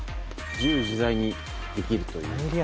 自由自在にできるという。